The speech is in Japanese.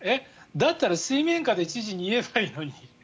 だったら水面下で知事に言えばいいのに。